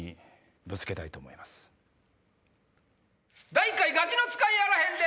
第１回ガキの使いやあらへんで！